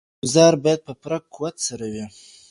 ګوزار باید په پوره قوت سره وي.